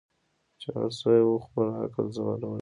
چي هر څو یې وو خپل عقل ځغلولی